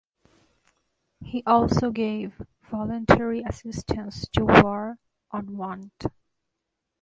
He also gave voluntary assistance to War on Want.